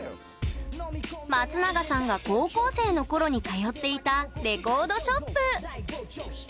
松永さんが高校生のころに通っていたレコードショップ。